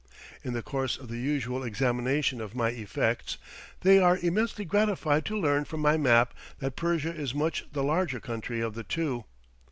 In the course of the usual examination of my effects, they are immensely gratified to learn from my map that Persia is much the larger country of the two.